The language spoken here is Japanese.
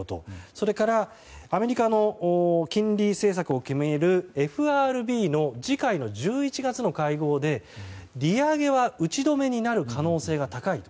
それから、アメリカの金利政策を決めるＦＲＢの次回の１１月の会合で利上げは打ち止めになる可能性が高い。